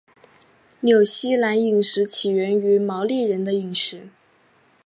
纽西兰饮食起源于毛利人的饮食。